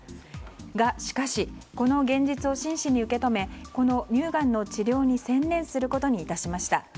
がしかしこの現実を真摯に受け止めこの乳がんの治療に専念することにいたしました。